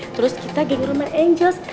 terus kita geng rumah angels